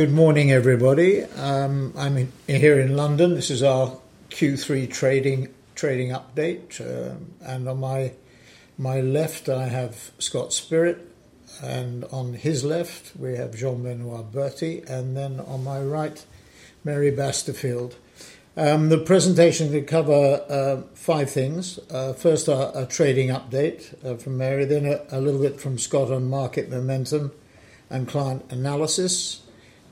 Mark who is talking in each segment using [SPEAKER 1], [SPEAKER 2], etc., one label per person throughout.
[SPEAKER 1] Good morning, everybody. I'm here in London. This is our Q3 trading update, and on my left, I have Scott Spirit, and on his left, we have Jean-Benoit Berty, and then on my right, Mary Basterfield. The presentation will cover five things. First, a trading update from Mary, then a little bit from Scott on market momentum and client analysis,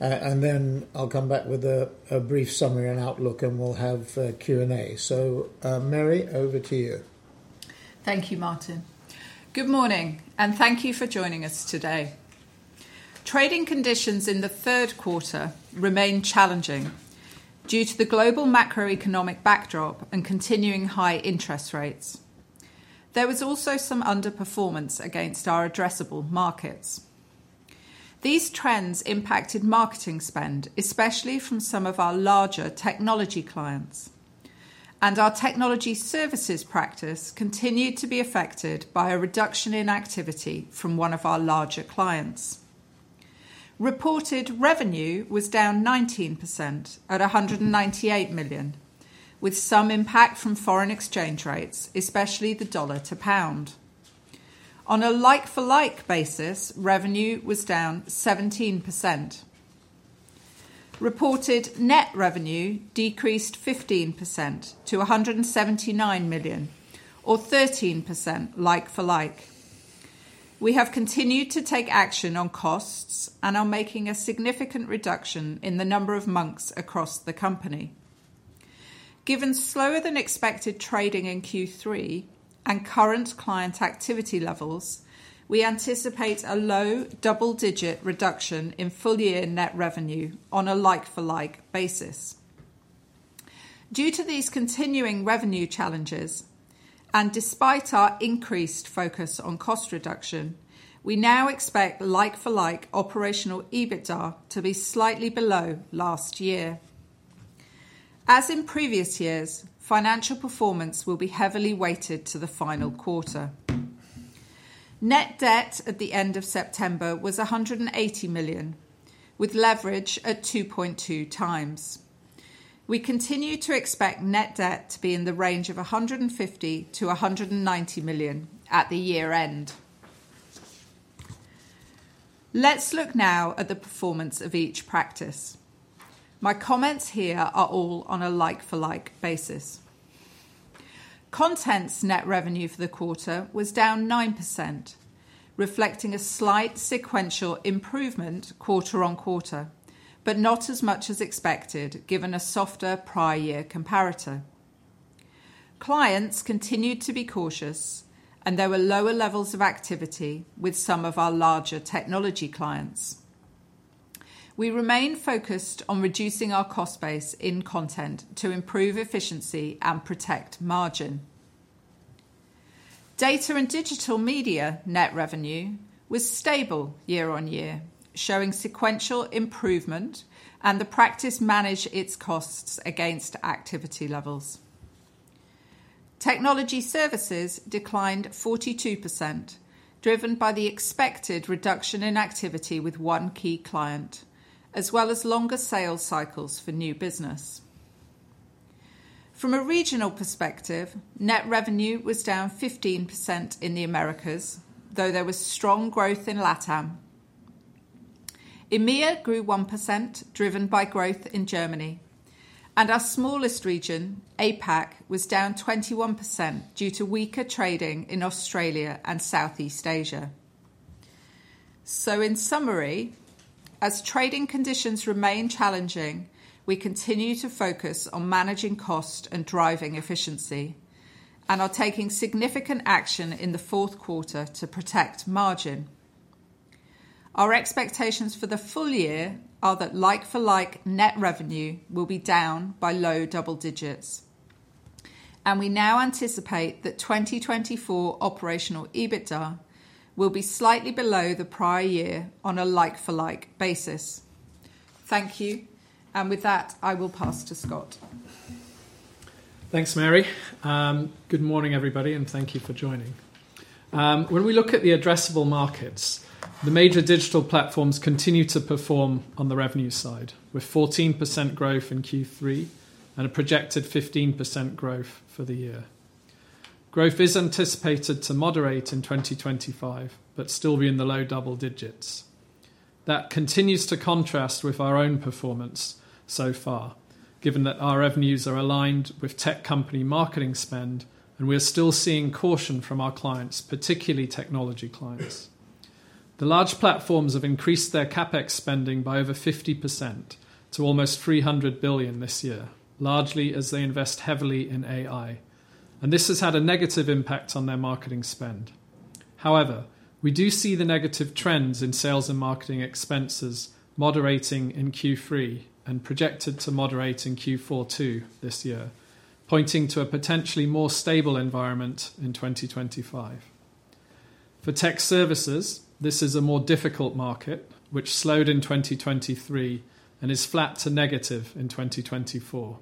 [SPEAKER 1] and then I'll come back with a brief summary and outlook, and we'll have Q&A, so Mary, over to you.
[SPEAKER 2] Thank you, Martin. Good morning, and thank you for joining us today. Trading conditions in the third quarter remain challenging due to the global macroeconomic backdrop and continuing high interest rates. There was also some underperformance against our addressable markets. These trends impacted marketing spend, especially from some of our larger technology clients, and our technology services practice continued to be affected by a reduction in activity from one of our larger clients. Reported revenue was down 19% at $198 million, with some impact from foreign exchange rates, especially the dollar to pound. On a like-for-like basis, revenue was down 17%. Reported net revenue decreased 15% to $179 million, or 13% like-for-like. We have continued to take action on costs and are making a significant reduction in the number of Monks across the company. Given slower-than-expected trading in Q3 and current client activity levels, we anticipate a low double-digit reduction in full-year net revenue on a like-for-like basis. Due to these continuing revenue challenges, and despite our increased focus on cost reduction, we now expect like-for-like operational EBITDA to be slightly below last year. As in previous years, financial performance will be heavily weighted to the final quarter. Net debt at the end of September was $180 million, with leverage at 2.2 times. We continue to expect net debt to be in the range of $150 million-$190 million at the year-end. Let's look now at the performance of each practice. My comments here are all on a like-for-like basis. Content's net revenue for the quarter was down 9%, reflecting a slight sequential improvement quarter on quarter, but not as much as expected given a softer prior-year comparator. Clients continued to be cautious, and there were lower levels of activity with some of our larger technology clients. We remain focused on reducing our cost base in content to improve efficiency and protect margin. Data and digital media net revenue was stable year-on-year, showing sequential improvement, and the practice managed its costs against activity levels. Technology services declined 42%, driven by the expected reduction in activity with one key client, as well as longer sales cycles for new business. From a regional perspective, net revenue was down 15% in the Americas, though there was strong growth in LATAM. EMEA grew 1%, driven by growth in Germany, and our smallest region, APAC, was down 21% due to weaker trading in Australia and Southeast Asia. So, in summary, as trading conditions remain challenging, we continue to focus on managing cost and driving efficiency, and are taking significant action in the fourth quarter to protect margin. Our expectations for the full year are that like-for-like net revenue will be down by low double digits. And we now anticipate that 2024 Operational EBITDA will be slightly below the prior year on a like-for-like basis. Thank you. And with that, I will pass to Scott.
[SPEAKER 3] Thanks, Mary. Good morning, everybody, and thank you for joining. When we look at the addressable markets, the major digital platforms continue to perform on the revenue side, with 14% growth in Q3 and a projected 15% growth for the year. Growth is anticipated to moderate in 2025, but still be in the low double digits. That continues to contrast with our own performance so far, given that our revenues are aligned with tech company marketing spend, and we are still seeing caution from our clients, particularly technology clients. The large platforms have increased their CapEx spending by over 50% to almost $300 billion this year, largely as they invest heavily in AI, and this has had a negative impact on their marketing spend. However, we do see the negative trends in sales and marketing expenses moderating in Q3 and projected to moderate in Q4 too this year, pointing to a potentially more stable environment in 2025. For tech services, this is a more difficult market, which slowed in 2023 and is flat to negative in 2024.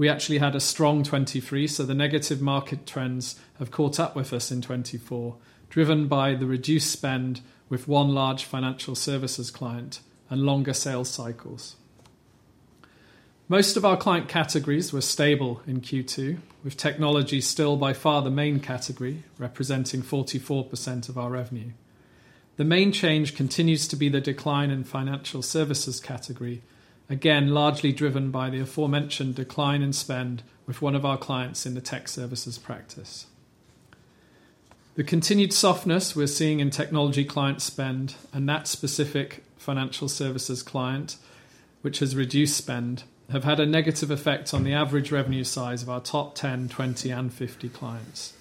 [SPEAKER 3] We actually had a strong 2023, so the negative market trends have caught up with us in 2024, driven by the reduced spend with one large financial services client and longer sales cycles. Most of our client categories were stable in Q2, with technology still by far the main category, representing 44% of our revenue. The main change continues to be the decline in financial services category, again largely driven by the aforementioned decline in spend with one of our clients in the tech services practice. The continued softness we're seeing in technology client spend and that specific financial services client, which has reduced spend, have had a negative effect on the average revenue size of our top 10, 20, and 50 clients.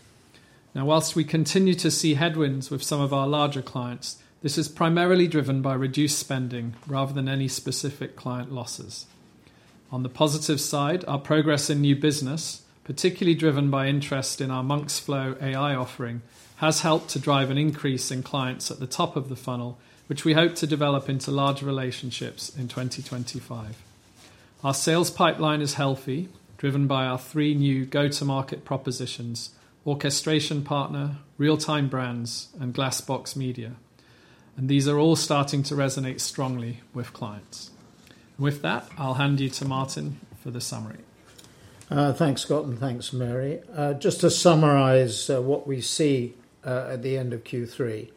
[SPEAKER 3] Now, while we continue to see headwinds with some of our larger clients, this is primarily driven by reduced spending rather than any specific client losses. On the positive side, our progress in new business, particularly driven by interest in our Monks.Flow AI offering, has helped to drive an increase in clients at the top of the funnel, which we hope to develop into larger relationships in 2025. Our sales pipeline is healthy, driven by our three new go-to-market propositions: Orchestration Partner, Real-Time Brands, and Glassbox Media. These are all starting to resonate strongly with clients. With that, I'll hand you to Martin for the summary.
[SPEAKER 1] Thanks, Scott, and thanks, Mary. Just to summarize what we see at the end of Q3,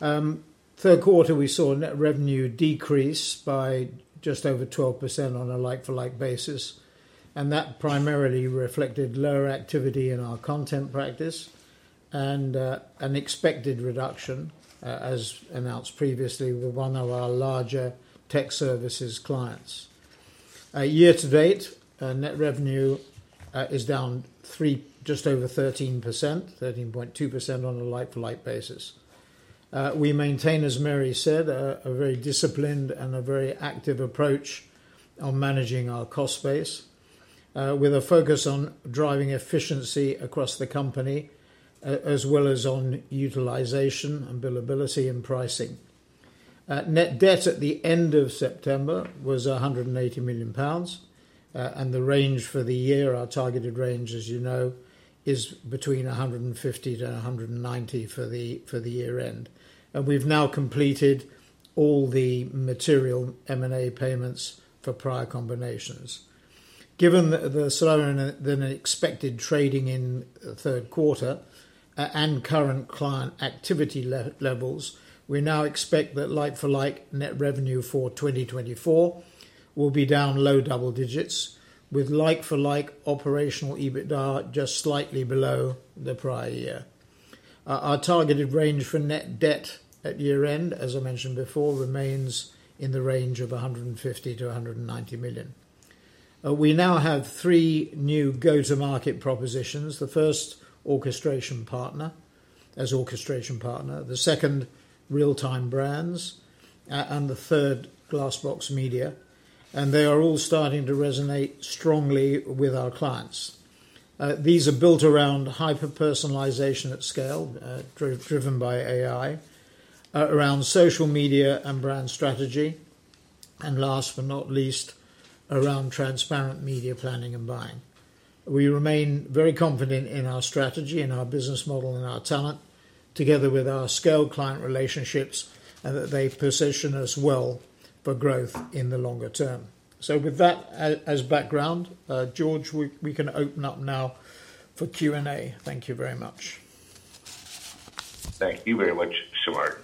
[SPEAKER 1] third quarter, we saw net revenue decrease by just over 12% on a like-for-like basis, and that primarily reflected lower activity in our content practice and an expected reduction, as announced previously, with one of our larger tech services clients. Year-to-date, net revenue is down just over 13%, 13.2% on a like-for-like basis. We maintain, as Mary said, a very disciplined and a very active approach on managing our cost base, with a focus on driving efficiency across the company, as well as on utilization, availability, and pricing. Net debt at the end of September was 180 million pounds, and the range for the year, our targeted range, as you know, is between 150 million-190 million for the year-end, and we've now completed all the material M&A payments for prior combinations. Given the slower-than-expected trading in third quarter and current client activity levels, we now expect that like-for-like net revenue for 2024 will be down low double digits, with like-for-like Operational EBITDA just slightly below the prior year. Our targeted range for net debt at year-end, as I mentioned before, remains in the range of 150 million-190 million. We now have three new go-to-market propositions. The first, Orchestration Partner. The second, Real-Time Brands, and the third, Glassbox Media. They are all starting to resonate strongly with our clients. These are built around Hyper-personalization at scale, driven by AI, around social media and brand strategy, and last but not least, around transparent media planning and buying. We remain very confident in our strategy, in our business model, and our talent, together with our scale client relationships, and that they position us well for growth in the longer term. So, with that as background, George, we can open up now for Q&A. Thank you very much.
[SPEAKER 4] Thank you very much, Sorrel.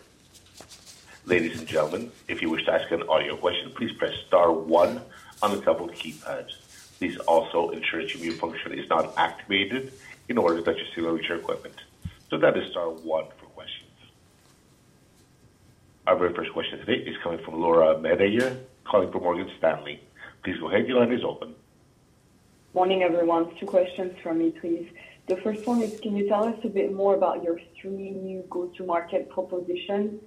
[SPEAKER 4] Ladies and gentlemen, if you wish to ask an audio question, please press star one on the top of the keypad. Please also ensure that your mute function is not activated in order to let you see and reach your equipment. So that is star one for questions. Our very first question today is coming from Laura Metayer, calling from Morgan Stanley. Please go ahead. Your line is open.
[SPEAKER 5] Morning, everyone. Two questions from me, please. The first one is, can you tell us a bit more about your three new go-to-market propositions?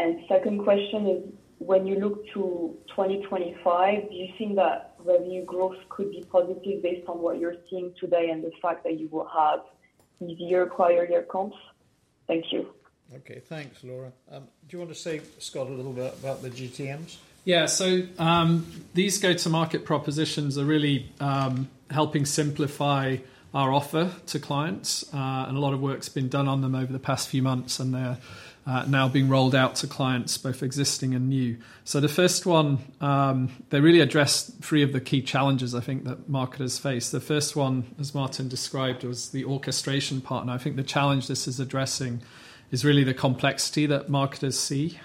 [SPEAKER 5] And the second question is, when you look to 2025, do you think that revenue growth could be positive based on what you're seeing today and the fact that you will have easier prior-year comps? Thank you.
[SPEAKER 1] Okay, thanks, Laura. Do you want to say, Scott, a little bit about the GTMs?
[SPEAKER 3] Yeah, so these go-to-market propositions are really helping simplify our offer to clients. And a lot of work's been done on them over the past few months, and they're now being rolled out to clients, both existing and new. So the first one, they really address three of the key challenges, I think, that marketers face. The first one, as Martin described, was the Orchestration Partner. I think the challenge this is addressing is really the complexity that marketers see.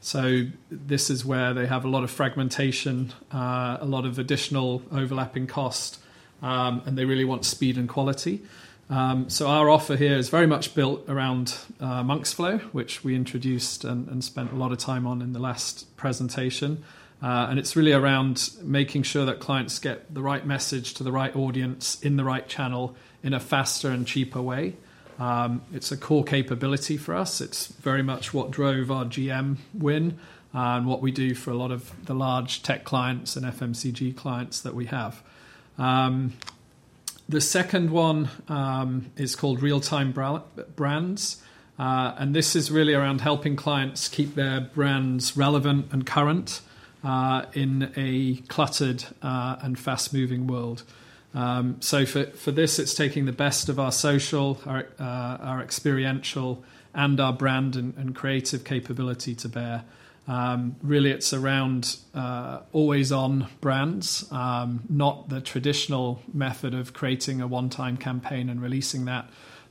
[SPEAKER 3] So this is where they have a lot of fragmentation, a lot of additional overlapping cost, and they really want speed and quality. So our offer here is very much built around Monks.Flow, which we introduced and spent a lot of time on in the last presentation. And it's really around making sure that clients get the right message to the right audience in the right channel in a faster and cheaper way. It's a core capability for us. It's very much what drove our GM win and what we do for a lot of the large tech clients and FMCG clients that we have. The second one is called Real-Time Brands. And this is really around helping clients keep their brands relevant and current in a cluttered and fast-moving world. So for this, it's taking the best of our social, our experiential, and our brand and creative capability to bear. Really, it's around always-on brands, not the traditional method of creating a one-time campaign and releasing that,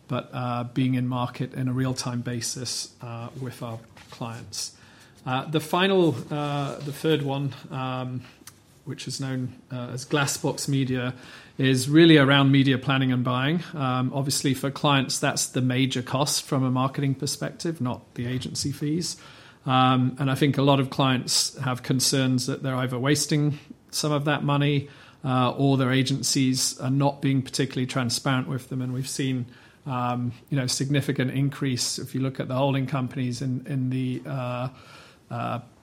[SPEAKER 3] but being in market in a real-time basis with our clients. The final, the third one, which is known as Glassbox Media, is really around media planning and buying. Obviously, for clients, that's the major cost from a marketing perspective, not the agency fees. And I think a lot of clients have concerns that they're either wasting some of that money or their agencies are not being particularly transparent with them. And we've seen a significant increase, if you look at the holding companies, in the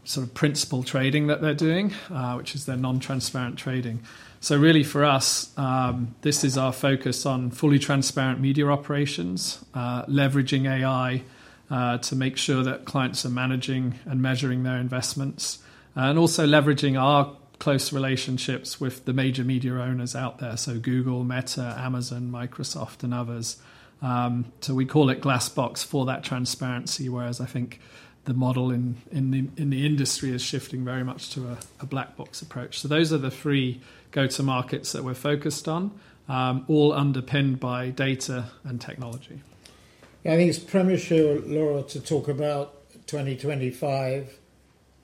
[SPEAKER 3] sort of principal trading that they're doing, which is their non-transparent trading. So really, for us, this is our focus on fully transparent media operations, leveraging AI to make sure that clients are managing and measuring their investments, and also leveraging our close relationships with the major media owners out there, so Google, Meta, Amazon, Microsoft, and others. So we call it Glassbox for that transparency, whereas I think the model in the industry is shifting very much to a black box approach. Those are the three go-to-markets that we're focused on, all underpinned by data and technology.
[SPEAKER 1] Yeah, I think it's premature, Laura, to talk about 2025.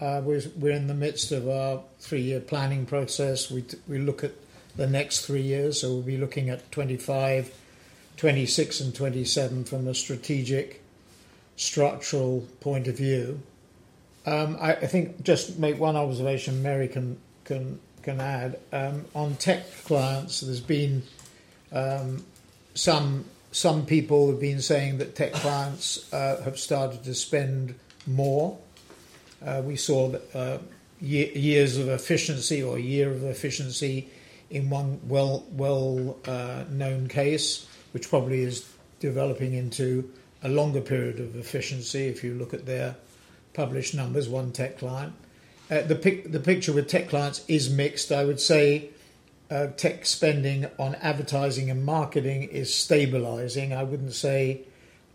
[SPEAKER 1] We're in the midst of our three-year planning process. We look at the next three years. So we'll be looking at 2025, 2026, and 2027 from a strategic, structural point of view. I think just make one observation. Mary can add. On tech clients, there's been some people who've been saying that tech clients have started to spend more. We saw years of efficiency or a year of efficiency in one well-known case, which probably is developing into a longer period of efficiency if you look at their published numbers, one tech client. The picture with tech clients is mixed. I would say tech spending on advertising and marketing is stabilizing. I wouldn't say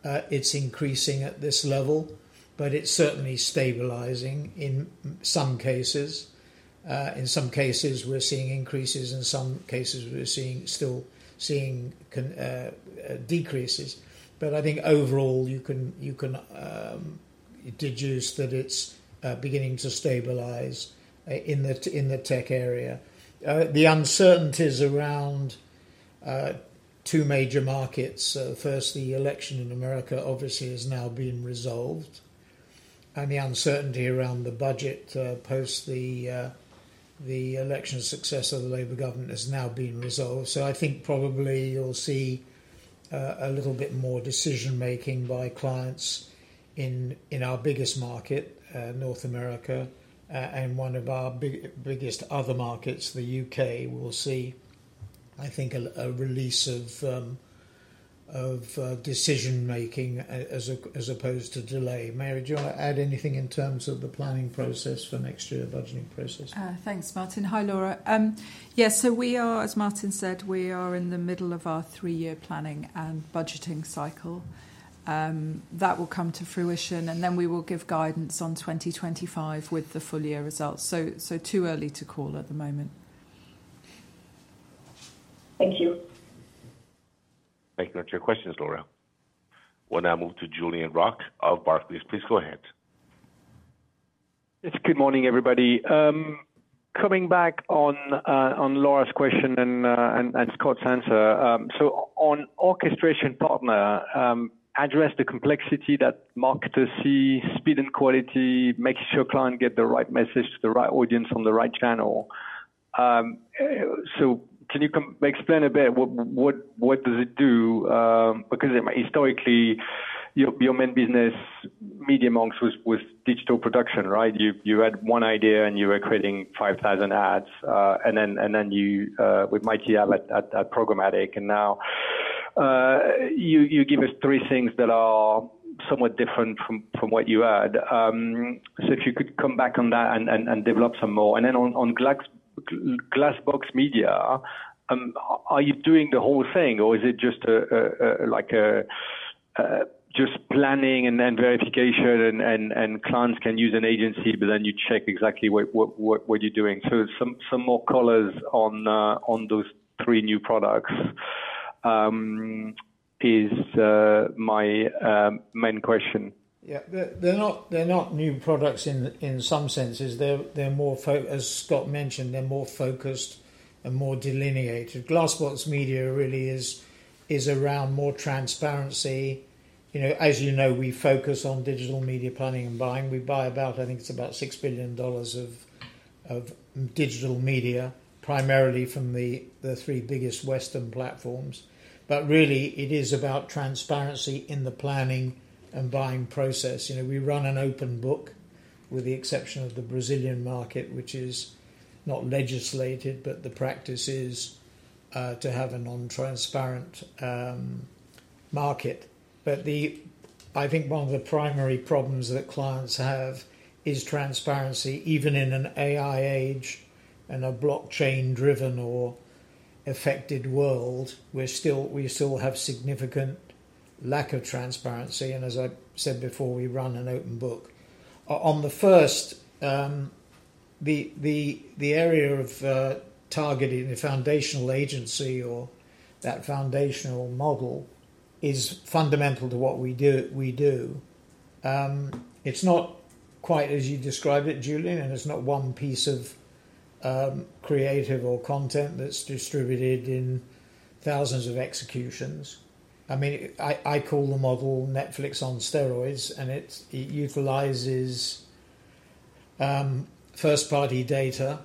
[SPEAKER 1] it's increasing at this level, but it's certainly stabilizing in some cases. In some cases, we're seeing increases. In some cases, we're still seeing decreases. But I think overall, you can deduce that it's beginning to stabilize in the tech area. The uncertainties around two major markets, first, the election in America obviously has now been resolved. And the uncertainty around the budget post the election success of the Labour government has now been resolved. So I think probably you'll see a little bit more decision-making by clients in our biggest market, North America, and one of our biggest other markets, the U.K. We'll see, I think, a release of decision-making as opposed to delay. Mary, do you want to add anything in terms of the planning process for next year's budgeting process?
[SPEAKER 2] Thanks, Martin. Hi, Laura. Yeah, so we are, as Martin said, we are in the middle of our three-year planning and budgeting cycle. That will come to fruition, and then we will give guidance on 2025 with the full year results. So, too early to call at the moment.
[SPEAKER 5] Thank you.
[SPEAKER 4] Thank you. No questions, Laura. We'll now move to Julien Roch of Barclays. Please go ahead.
[SPEAKER 6] Yes, good morning, everybody. Coming back on Laura's question and Scott's answer, so on Orchestration Partner, address the complexity that marketers see, speed and quality, making sure clients get the right message to the right audience on the right channel. So can you explain a bit what does it do? Because historically, your main business, Media.Monks, was digital production, right? You had one idea, and you were creating 5,000 ads. And then you with MightyHive at programmatic. And now you give us three things that are somewhat different from what you had. So if you could come back on that and develop some more. And then on Glassbox Media, are you doing the whole thing, or is it just planning and verification, and clients can use an agency, but then you check exactly what you're doing? So some more colors on those three new products is my main question.
[SPEAKER 1] Yeah, they're not new products in some senses. As Scott mentioned, they're more focused and more delineated. Glassbox Media really is around more transparency. As you know, we focus on digital media planning and buying. We buy about, I think it's about $6 billion of digital media, primarily from the three biggest Western platforms. But really, it is about transparency in the planning and buying process. We run an open book, with the exception of the Brazilian market, which is not legislated, but the practice is to have a non-transparent market. But I think one of the primary problems that clients have is transparency. Even in an AI age and a blockchain-driven or affected world, we still have significant lack of transparency. And as I said before, we run an open book. On the first, the area of targeting the foundational agency or that foundational model is fundamental to what we do. It's not quite as you described it, Julien, and it's not one piece of creative or content that's distributed in thousands of executions. I mean, I call the model Netflix on steroids, and it utilizes first-party data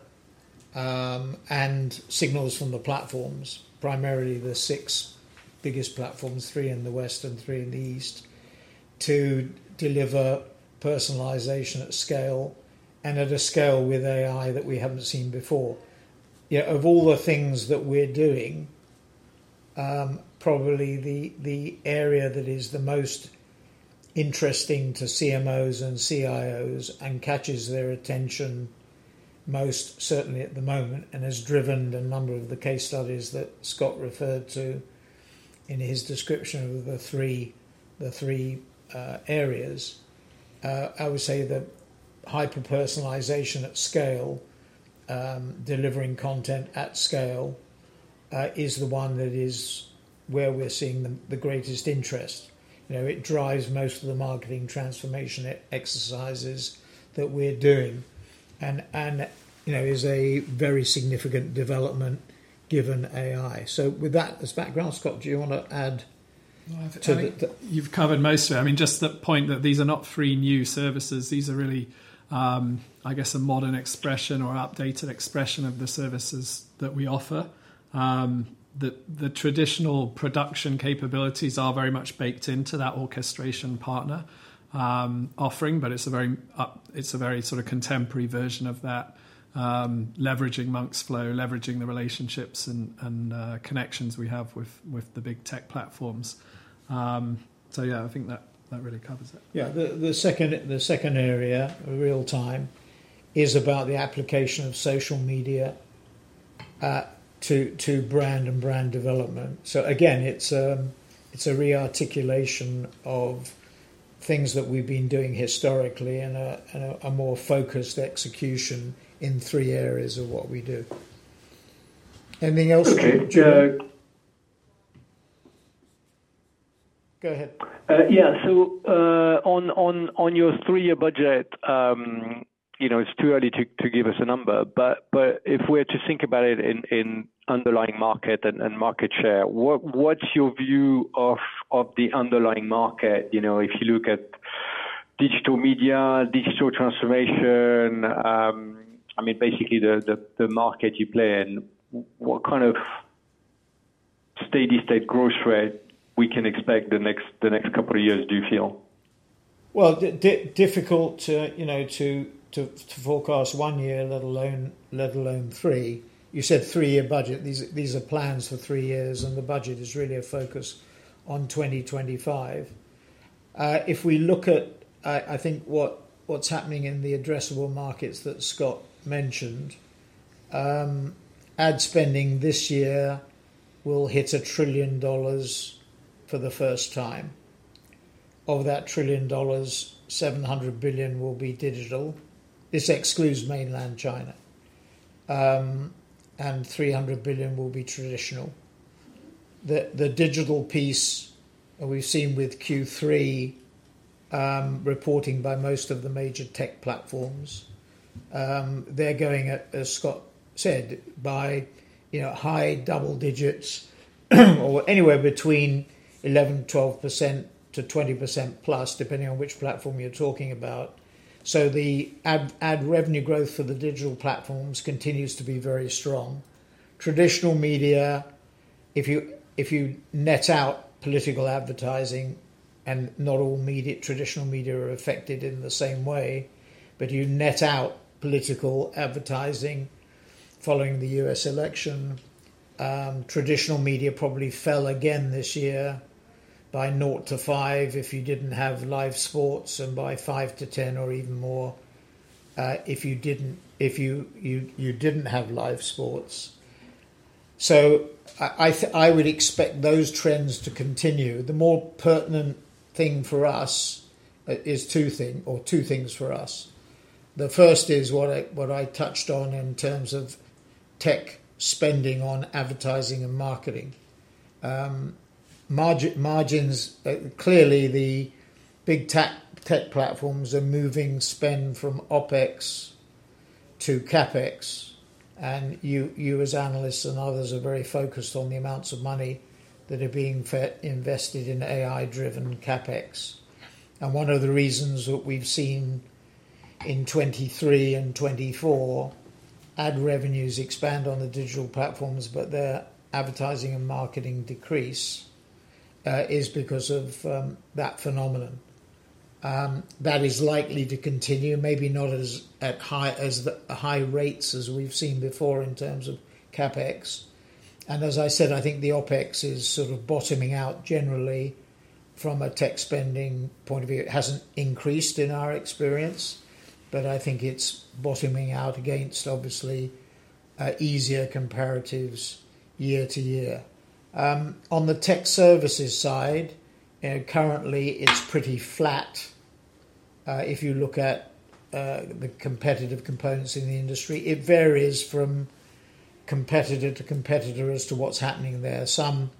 [SPEAKER 1] and signals from the platforms, primarily the six biggest platforms, three in the West and three in the East, to deliver personalization at scale and at a scale with AI that we haven't seen before. Yeah, of all the things that we're doing, probably the area that is the most interesting to CMOs and CIOs and catches their attention most certainly at the moment and has driven a number of the case studies that Scott referred to in his description of the three areas, I would say that hyper-personalization at scale, delivering content at scale is the one that is where we're seeing the greatest interest. It drives most of the marketing transformation exercises that we're doing and is a very significant development given AI. So with that as background, Scott, do you want to add to that?
[SPEAKER 3] No, I think you've covered most of it. I mean, just the point that these are not free new services. These are really, I guess, a modern expression or updated expression of the services that we offer. The traditional production capabilities are very much baked into that Orchestration Partner offering, but it's a very sort of contemporary version of that, leveraging Monks.Flow, leveraging the relationships and connections we have with the big tech platforms. So yeah, I think that really covers it.
[SPEAKER 1] Yeah, the second area, real-time, is about the application of social media to brand and brand development. So again, it's a re-articulation of things that we've been doing historically and a more focused execution in three areas of what we do. Anything else?
[SPEAKER 6] Okay, [Scott].
[SPEAKER 1] Go ahead.
[SPEAKER 6] Yeah, so on your three-year budget, it's too early to give us a number. But if we're to think about it in underlying market and market share, what's your view of the underlying market? If you look at digital media, digital transformation, I mean, basically the market you play in, what kind of steady-state growth rate we can expect the next couple of years, do you feel?
[SPEAKER 1] Difficult to forecast one year, let alone three. You said three-year budget. These are plans for three years, and the budget is really a focus on 2025. If we look at, I think, what's happening in the addressable markets that Scott mentioned, ad spending this year will hit $1 trillion for the first time. Of that $1 trillion, $700 billion will be digital. This excludes mainland China. And $300 billion will be traditional. The digital piece we've seen with Q3 reporting by most of the major tech platforms, they're going, as Scott said, by high double digits or anywhere between 11%-12% to 20% plus, depending on which platform you're talking about. So the ad revenue growth for the digital platforms continues to be very strong. Traditional media, if you net out political advertising, and not all traditional media are affected in the same way, but you net out political advertising following the U.S. election, traditional media probably fell again this year by 0%-5% if you didn't have live sports and by 5%-10% or even more if you didn't have live sports. So I would expect those trends to continue. The more pertinent thing for us is two things or two things for us. The first is what I touched on in terms of tech spending on advertising and marketing. Margins, clearly, the big tech platforms are moving spend from OpEx to CapEx, and you, as analysts and others, are very focused on the amounts of money that are being invested in AI-driven CapEx. One of the reasons that we've seen in 2023 and 2024, ad revenues expand on the digital platforms, but their advertising and marketing decrease is because of that phenomenon. That is likely to continue, maybe not at high rates as we've seen before in terms of CapEx. And as I said, I think the OpEx is sort of bottoming out generally from a tech spending point of view. It hasn't increased in our experience, but I think it's bottoming out against, obviously, easier comparatives year to year. On the tech services side, currently, it's pretty flat. If you look at the competitive components in the industry, it varies from competitor to competitor as to what's happening there. Some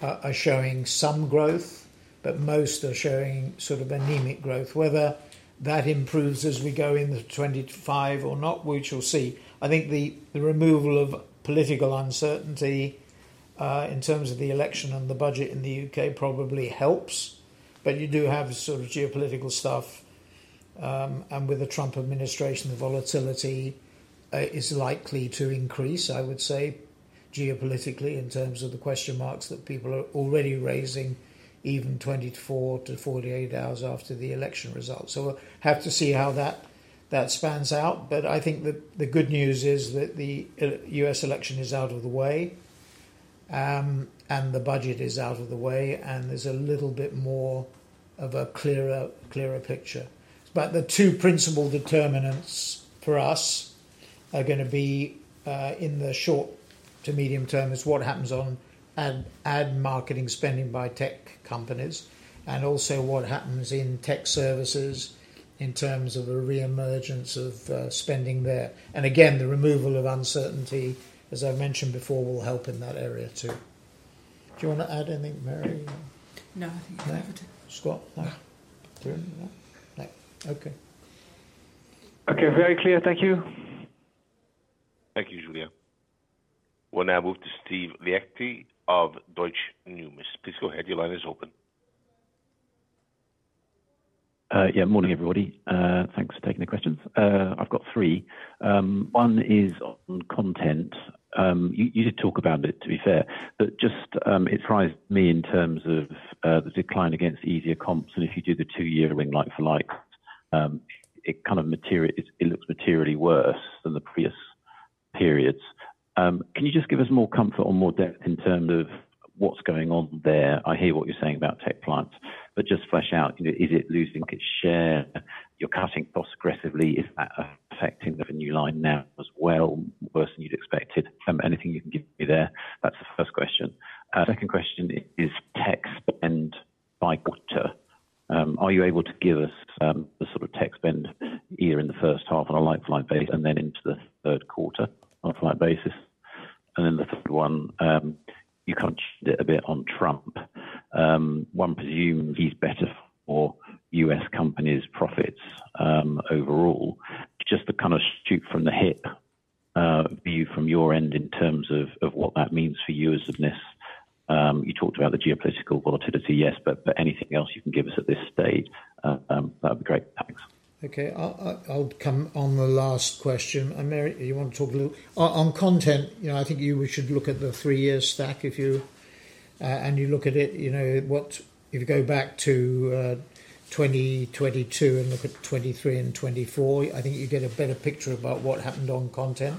[SPEAKER 1] are showing some growth, but most are showing sort of anemic growth. Whether that improves as we go into 2025 or not, we shall see. I think the removal of political uncertainty in terms of the election and the budget in the U.K. probably helps. But you do have sort of geopolitical stuff. And with the Trump administration, the volatility is likely to increase, I would say, geopolitically in terms of the question marks that people are already raising even 24-48 hours after the election results. So we'll have to see how that pans out. But I think the good news is that the U.S. election is out of the way, and the budget is out of the way, and there's a little bit more of a clearer picture. But the two principal determinants for us are going to be in the short to medium term is what happens on ad marketing spending by tech companies and also what happens in tech services in terms of a re-emergence of spending there. Again, the removal of uncertainty, as I mentioned before, will help in that area too. Do you want to add anything, Mary?
[SPEAKER 2] No, I think we're good.
[SPEAKER 1] Scott?
[SPEAKER 3] No.
[SPEAKER 1] Okay.
[SPEAKER 6] Okay, very clear. Thank you.
[SPEAKER 4] Thank you, Julien. We'll now move to Steve Liechti of Deutsche Numis. Please go ahead. Your line is open.
[SPEAKER 7] Yeah, morning, everybody. Thanks for taking the questions. I've got three. One is on content. You did talk about it, to be fair, but just it surprised me in terms of the decline against easier comps. And if you do the two-year like-for-like, it kind of looks materially worse than the previous periods. Can you just give us more comfort or more depth in terms of what's going on there? I hear what you're saying about tech clients, but just flesh out, is it losing its share? You're cutting costs aggressively. Is that affecting the revenue line now as well, worse than you'd expected? Anything you can give me there? That's the first question. Second question is tech spend by quarter. Are you able to give us the sort of tech spend year-on-year in the first half on a like-for-like basis and then into the third quarter on a like-for-like basis? And then the third one, you commented a bit on Trump. One presumes he's better for U.S. companies' profits overall. Just to kind of shoot from the hip view from your end in terms of what that means for you as a business. You talked about the geopolitical volatility, yes, but anything else you can give us at this stage? That would be great. Thanks.
[SPEAKER 1] Okay, I'll come on the last question. Mary, you want to talk a little on content? I think you should look at the three-year stack. And you look at it, if you go back to 2022 and look at 2023 and 2024, I think you get a better picture about what happened on content.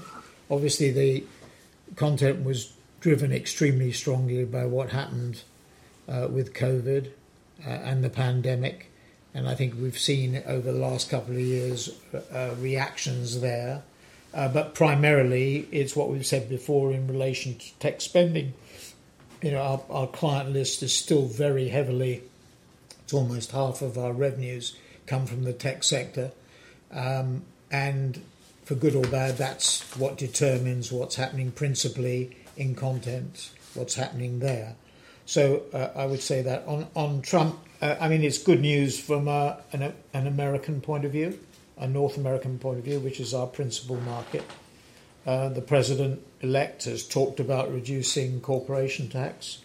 [SPEAKER 1] Obviously, the content was driven extremely strongly by what happened with COVID and the pandemic. And I think we've seen over the last couple of years reactions there. But primarily, it's what we've said before in relation to tech spending. Our client list is still very heavily, it's almost half of our revenues come from the tech sector. And for good or bad, that's what determines what's happening principally in content, what's happening there. I would say that on Trump, I mean, it's good news from an American point of view, a North American point of view, which is our principal market. The president-elect has talked about reducing corporate tax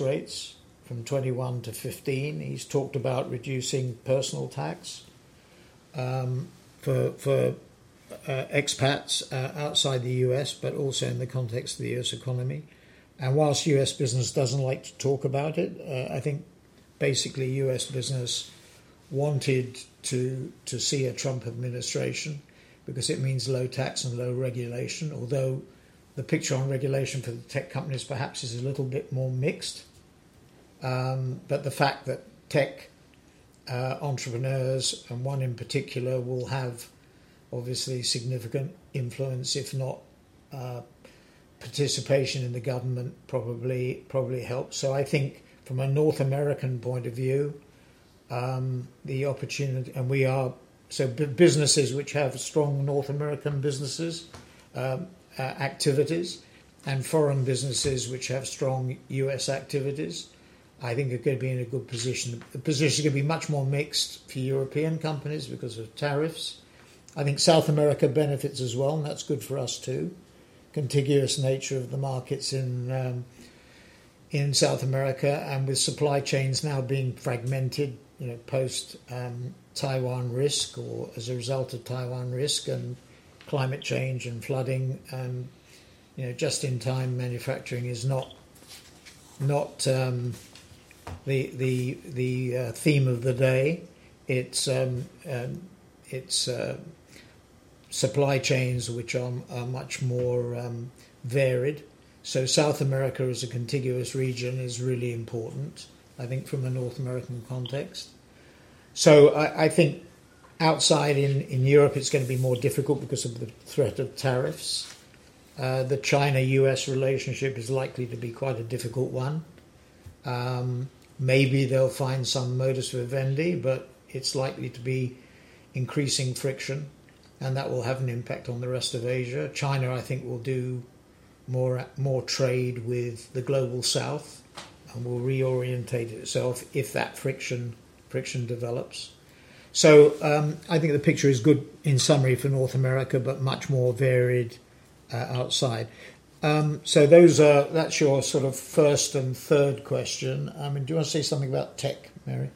[SPEAKER 1] rates from 21%-15%. He's talked about reducing personal tax for expats outside the U.S., but also in the context of the U.S. economy. Whilst U.S. business doesn't like to talk about it, I think basically U.S. business wanted to see a Trump administration because it means low tax and low regulation. Although the picture on regulation for the tech companies perhaps is a little bit more mixed. The fact that tech entrepreneurs, and one in particular, will have obviously significant influence, if not participation in the government, probably helps. So I think from a North American point of view, the opportunity, and we are, so businesses which have strong North American business activities and foreign businesses which have strong U.S. activities, I think are going to be in a good position. The position is going to be much more mixed for European companies because of tariffs. I think South America benefits as well, and that's good for us too. Contiguous nature of the markets in South America and with supply chains now being fragmented post-Taiwan risk or as a result of Taiwan risk and climate change and flooding. And just-in-time, manufacturing is not the theme of the day. It's supply chains which are much more varied. So South America as a contiguous region is really important, I think, from a North American context. So I think outside in Europe, it's going to be more difficult because of the threat of tariffs. The China-U.S. relationship is likely to be quite a difficult one. Maybe they'll find some modus vivendi, but it's likely to be increasing friction, and that will have an impact on the rest of Asia. China, I think, will do more trade with the Global South and will reorient itself if that friction develops. So I think the picture is good in summary for North America, but much more varied outside. So that's your sort of first and third question. I mean, do you want to say something about tech, Mary?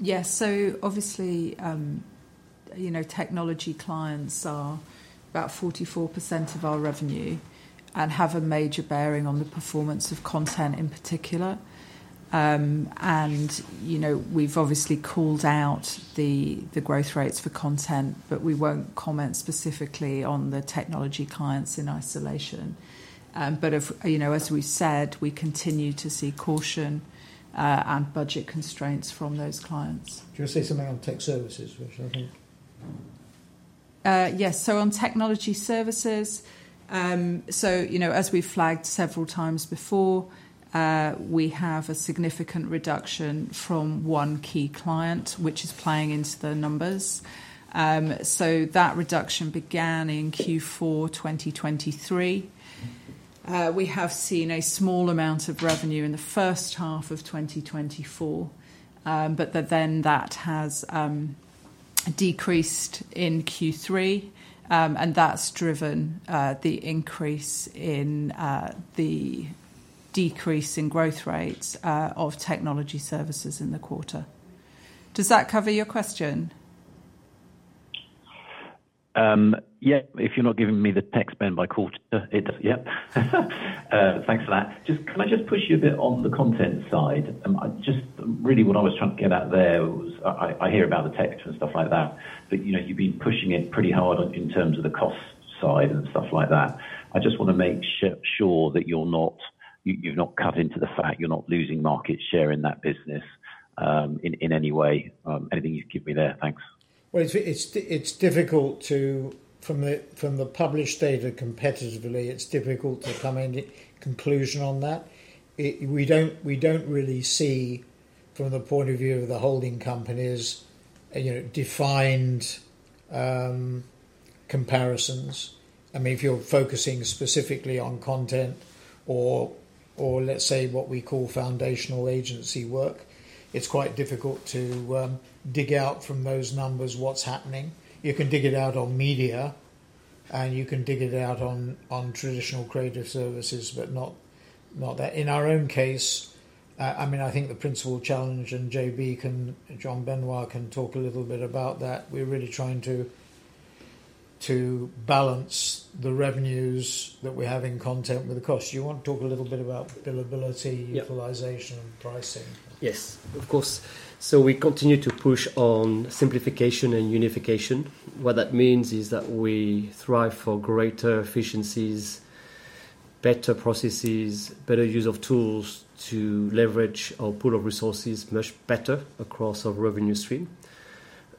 [SPEAKER 2] Yes. So obviously, technology clients are about 44% of our revenue and have a major bearing on the performance of content in particular. And we've obviously called out the growth rates for content, but we won't comment specifically on the technology clients in isolation. But as we said, we continue to see caution and budget constraints from those clients.
[SPEAKER 1] Do you want to say something on tech services, which I think?
[SPEAKER 2] Yes. So on technology services, so as we've flagged several times before, we have a significant reduction from one key client, which is playing into the numbers. So that reduction began in Q4 2023. We have seen a small amount of revenue in the first half of 2024, but then that has decreased in Q3. And that's driven the increase in the decrease in growth rates of technology services in the quarter. Does that cover your question?
[SPEAKER 7] Yeah. If you're not giving me the tech spend by quarter, it does. Yeah. Thanks for that. Can I just push you a bit on the content side? Just really what I was trying to get at there was I hear about the tech and stuff like that, but you've been pushing it pretty hard in terms of the cost side and stuff like that. I just want to make sure that you're not cutting into the fact you're not losing market share in that business in any way. Anything you can give me there. Thanks.
[SPEAKER 1] It's difficult to, from the published data competitively, it's difficult to come to a conclusion on that. We don't really see, from the point of view of the holding companies, defined comparisons. I mean, if you're focusing specifically on content or, let's say, what we call foundational agency work, it's quite difficult to dig out from those numbers what's happening. You can dig it out on media, and you can dig it out on traditional creative services, but not that. In our own case, I mean, I think the principal challenge, and JB and Jean-Benoit Berty can talk a little bit about that, we're really trying to balance the revenues that we have in content with the cost. Do you want to talk a little bit about billability, utilization, and pricing?
[SPEAKER 8] Yes, of course. So we continue to push on simplification and unification. What that means is that we strive for greater efficiencies, better processes, better use of tools to leverage our pool of resources much better across our revenue stream.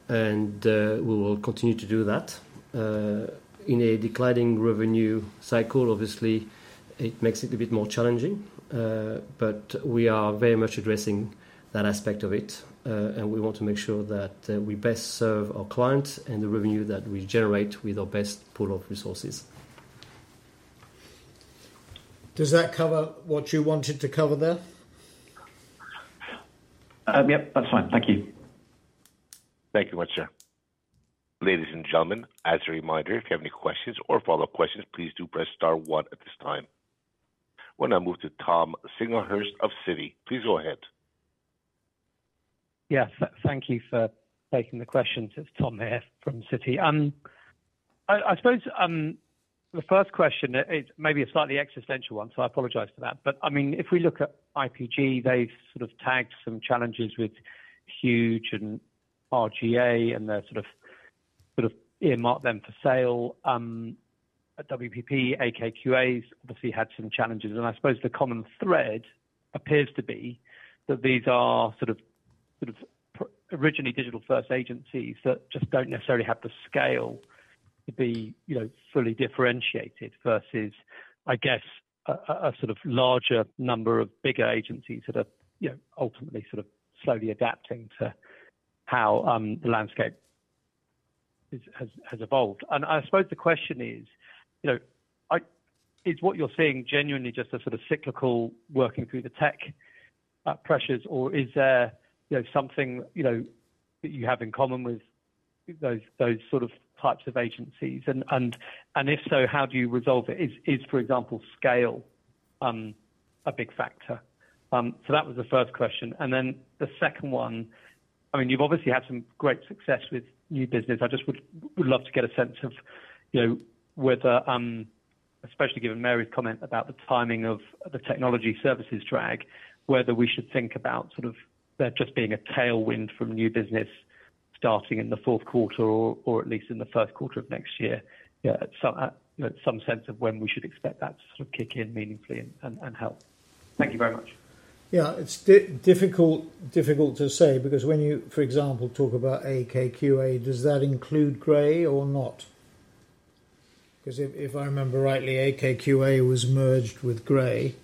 [SPEAKER 8] And we will continue to do that. In a declining revenue cycle, obviously, it makes it a bit more challenging. But we are very much addressing that aspect of it, and we want to make sure that we best serve our clients and the revenue that we generate with our best pool of resources.
[SPEAKER 1] Does that cover what you wanted to cover there?
[SPEAKER 7] Yep, that's fine. Thank you.
[SPEAKER 4] Thank you very much, sir. Ladies and gentlemen, as a reminder, if you have any questions or follow-up questions, please do press star one at this time. We'll now move to Tom Singlehurst of Citi. Please go ahead.
[SPEAKER 9] Yes. Thank you for taking the question. It's Tom here from Citi. I suppose the first question is maybe a slightly existential one, so I apologize for that. But I mean, if we look at IPG, they've sort of tagged some challenges with Huge and R/GA, and they're sort of earmarked them for sale. WPP, AKQA's obviously had some challenges. And I suppose the common thread appears to be that these are sort of originally digital-first agencies that just don't necessarily have the scale to be fully differentiated versus, I guess, a sort of larger number of bigger agencies that are ultimately sort of slowly adapting to how the landscape has evolved. And I suppose the question is, is what you're seeing genuinely just a sort of cyclical working through the tech pressures, or is there something that you have in common with those sort of types of agencies? And if so, how do you resolve it? Is for example, scale a big factor? So that was the first question. And then the second one, I mean, you've obviously had some great success with new business. I just would love to get a sense of whether, especially given Mary's comment about the timing of the technology services drag, whether we should think about sort of that just being a tailwind from new business starting in the fourth quarter or at least in the first quarter of next year, some sense of when we should expect that to sort of kick in meaningfully and help. Thank you very much.
[SPEAKER 1] Yeah, it's difficult to say because when you, for example, talk about AKQA, does that include Grey or not? Because if I remember rightly, AKQA was merged with Grey,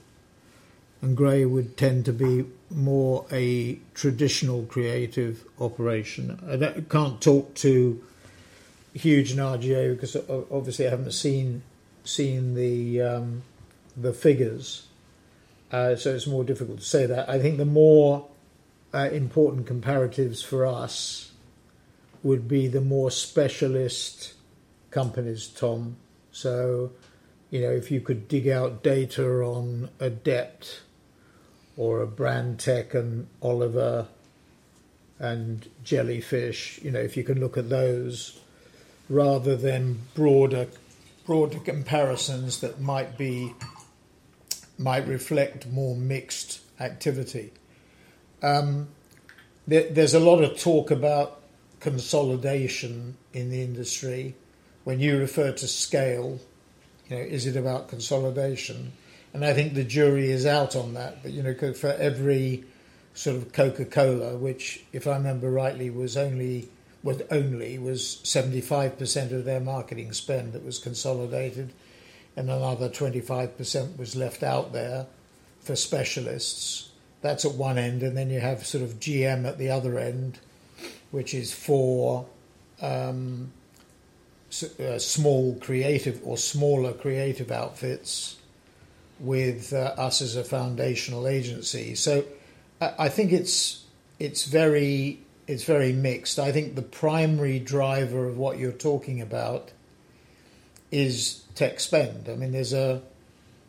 [SPEAKER 1] and Grey would tend to be more a traditional creative operation. I can't talk to Huge and R/GA because obviously I haven't seen the figures. So it's more difficult to say that. I think the more important comparatives for us would be the more specialist companies, Tom. So if you could dig out data on Dept or a Brandtech and Oliver and Jellyfish, if you can look at those rather than broader comparisons that might reflect more mixed activity. There's a lot of talk about consolidation in the industry. When you refer to scale, is it about consolidation? And I think the jury is out on that. But for every sort of Coca-Cola, which, if I remember rightly, was only 75% of their marketing spend that was consolidated, and another 25% was left out there for specialists. That's at one end, and then you have sort of GM at the other end, which is for small creative or smaller creative outfits with us as a foundational agency, so I think it's very mixed. I think the primary driver of what you're talking about is tech spend. I mean, ad spend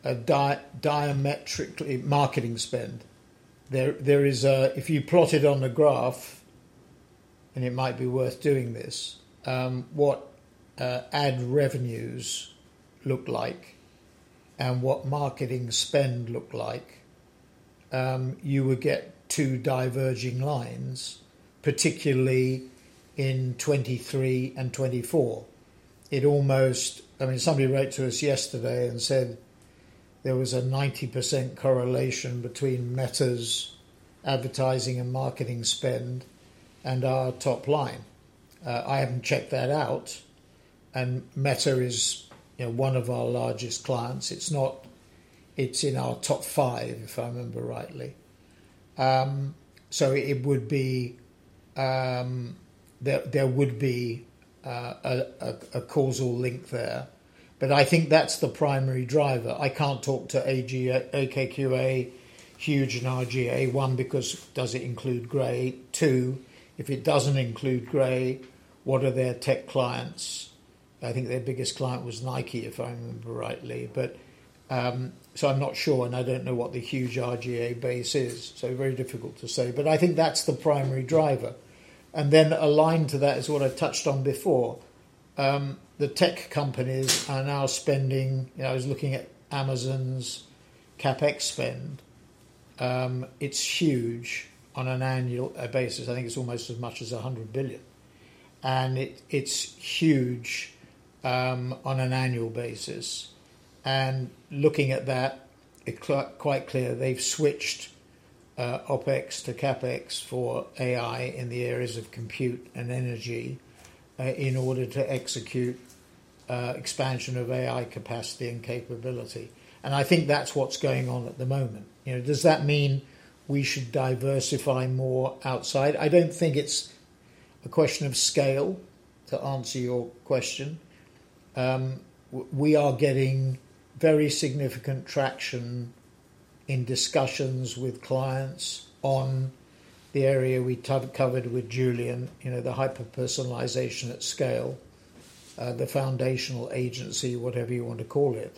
[SPEAKER 1] is diametrically opposed to marketing spend. If you plot it on the graph, and it might be worth doing this, what ad revenues look like and what marketing spend look like, you would get two diverging lines, particularly in 2023 and 2024. I mean, somebody wrote to us yesterday and said there was a 90% correlation between Meta's advertising and marketing spend and our top line. I haven't checked that out. And Meta is one of our largest clients. It's in our top five, if I remember rightly. So there would be a causal link there. But I think that's the primary driver. I can't talk to AKQA, Huge, and R/GA, one, because does it include Grey? Two, if it doesn't include Grey, what are their tech clients? I think their biggest client was Nike, if I remember rightly. So I'm not sure, and I don't know what the Huge, R/GA base is. So very difficult to say. But I think that's the primary driver. And then aligned to that is what I've touched on before. The tech companies are now spending, I was looking at Amazon's CapEx spend. It's huge on an annual basis. I think it's almost as much as $100 billion. And it's huge on an annual basis. Looking at that, it's quite clear they've switched OpEx to CapEx for AI in the areas of compute and energy in order to execute expansion of AI capacity and capability. I think that's what's going on at the moment. Does that mean we should diversify more outside? I don't think it's a question of scale, to answer your question. We are getting very significant traction in discussions with clients on the area we covered with Julien, the hyper-personalization at scale, the foundational agency, whatever you want to call it.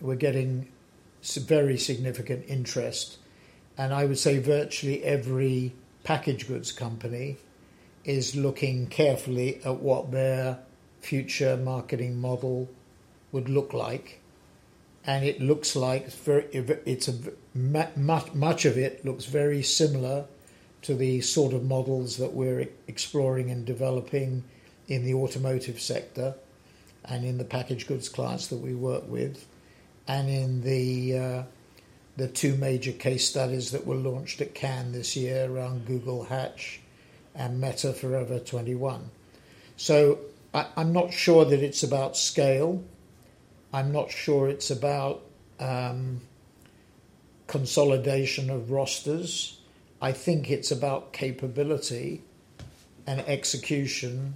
[SPEAKER 1] We're getting some very significant interest. I would say virtually every packaged goods company is looking carefully at what their future marketing model would look like. And it looks like much of it looks very similar to the sort of models that we're exploring and developing in the automotive sector and in the packaged goods clients that we work with and in the two major case studies that were launched at Cannes this year around Google Hatch and Meta Forever 21. So I'm not sure that it's about scale. I'm not sure it's about consolidation of rosters. I think it's about capability and execution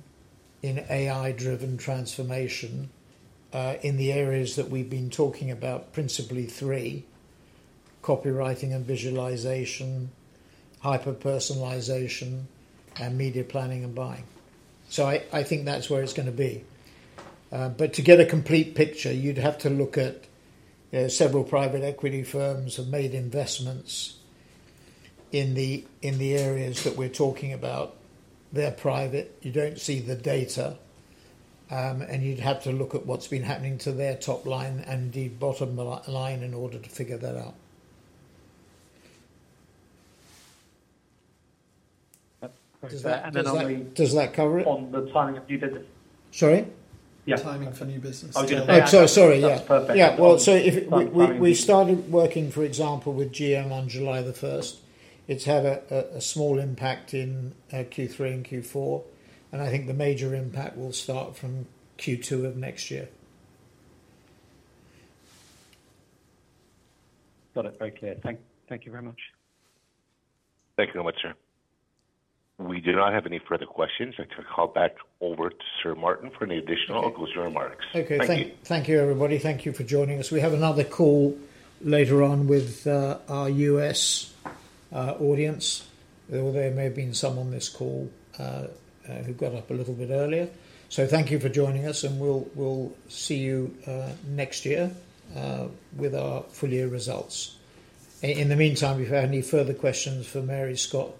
[SPEAKER 1] in AI-driven transformation in the areas that we've been talking about, principally three: copywriting and visualization, hyper-personalization, and media planning and buying. So I think that's where it's going to be. But to get a complete picture, you'd have to look at several private equity firms who have made investments in the areas that we're talking about. They're private. You don't see the data. You'd have to look at what's been happening to their top line and the bottom line in order to figure that out. Does that cover it?
[SPEAKER 9] On the timing of new business.
[SPEAKER 1] Well, so we started working, for example, with GM on July the 1st. It's had a small impact in Q3 and Q4. And I think the major impact will start from Q2 of next year.
[SPEAKER 9] Got it. Very clear. Thank you very much.
[SPEAKER 4] Thank you very much, sir. We do not have any further questions. I can call back over to Sir Martin for any additional closing remarks.
[SPEAKER 1] Okay. Thank you, everybody. Thank you for joining us. We have another call later on with our U.S. audience. There may have been some on this call who got up a little bit earlier, so thank you for joining us, and we'll see you next year with our full year results. In the meantime, if you have any further questions for Mary, Scott,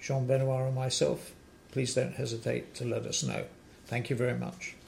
[SPEAKER 1] Jean-Benoit, or myself, please don't hesitate to let us know. Thank you very much.